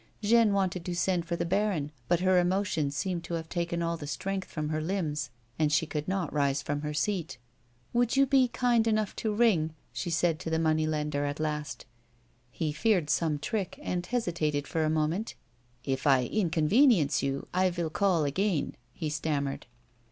Jeanne wanted to send for the baron, but her emotion seemed to have taken all the strength from her limbs, and she could not rise from her seat. " Would you be kind enough to ring ?" she said to the monev lender, at last. He feared some trick, and hesitated for a moment, " If I inconvenience you, I vill call again," he stammered.